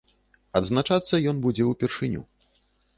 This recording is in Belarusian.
Адзначацца ён будзе ўпершыню.